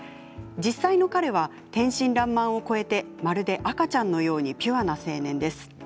実際の彼は天真らんまんを超えてまるで赤ちゃんのようにピュアな青年です。